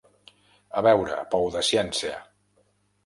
A veure, pou de ciència.